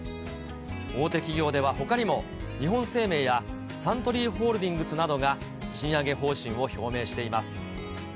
大手企業ではほかにも、日本生命やサントリーホールディングスなどが賃上げ方針を表明しています。